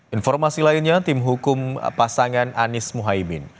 informasi lainnya tim hukum pasangan anies muhaymin